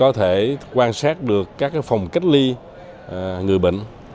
có thể quan sát được các phòng cách ly người bệnh